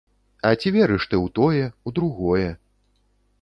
А ці верыш ты ў тое, у другое?